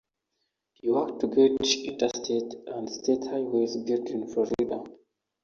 He worked to get interstate and state highways built in Florida.